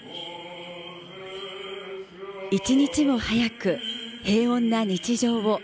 一日も早く、平穏な日常を。